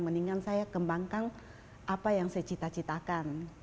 mendingan saya kembangkan apa yang saya cita citakan